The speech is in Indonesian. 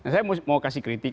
saya mau kasih kritik